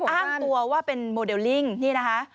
อ้างตัวว่าเป็นโมเดลลิ่งนี่นะคะ